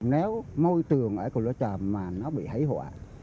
nếu môi trường ở cụ lao chàm mà nó bị hãy hỏa